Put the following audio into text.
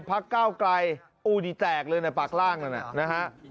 พักก้าวไกลอู้ดิแตกเลยในปากล่างนั่นนะฮะ